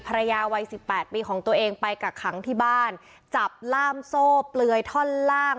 ภรรยาวัยสิบแปดปีของตัวเองไปกักขังที่บ้านจับล่ามโซ่เปลือยท่อนล่าง